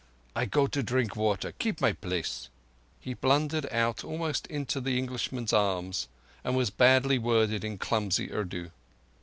"I go to drink water. Keep my place." He blundered out almost into the Englishman's arms, and was bad worded in clumsy Urdu.